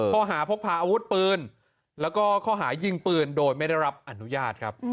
ข้อหาพกพาอาวุธปืนแล้วก็ข้อหายิงปืนโดยไม่ได้รับอนุญาตครับ